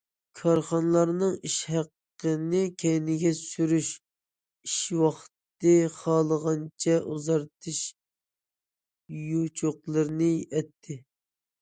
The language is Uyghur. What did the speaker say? كارخانىلارنىڭ ئىش ھەققىنى كەينىگە سۈرۈش، ئىش ۋاقتىنى خالىغانچە ئۇزارتىش يوچۇقلىرىنى ئەتتى.